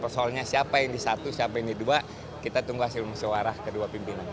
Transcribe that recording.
soalnya siapa yang di satu siapa yang di dua kita tunggu hasilnya suara kedua